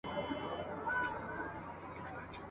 که څوک دي نه پېژني په مسجد کي غلا وکړه ..